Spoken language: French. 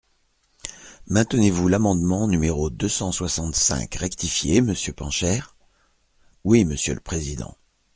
Maintenez-vous l’amendement numéro deux cent soixante-cinq rectifié, monsieur Pancher ? Oui, monsieur le président.